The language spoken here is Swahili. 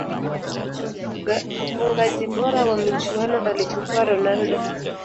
mfungaji bora wa michuano alichukua ronaldo